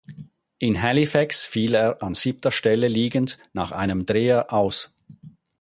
In Halifax fiel er an siebter Stelle liegend nach einem Dreher aus.